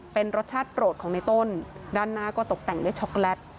เป็นรสชาติโปรดของในต้นด้านหน้าก็ตกแต่งด้วยช็อกโกแลต